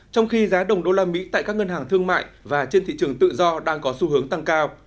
trong khi giá đồng đô la mỹ tại các ngân hàng thương mại và trên thị trường tự do đang có xu hướng tăng cao